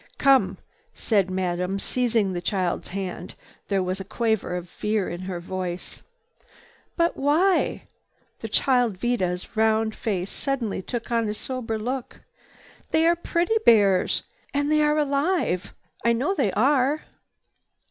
"Come!" said Madame, seizing the child's hand. There was a quaver of fear in her voice. "But why?" The child Vida's round face suddenly took on a sober look. "They are pretty bears. And they are alive. I know they are."